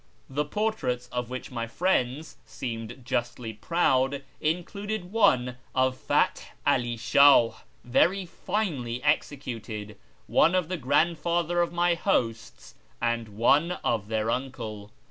The portraits, of which my friends seemed justly proud, included one of Path All Shiih, very finely executed ; one of the grandfather of my 'losts; and one of their uncle.